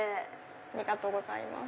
ありがとうございます。